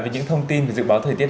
với những thông tin về dự báo thời tiết